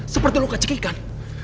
seperti luka cikikan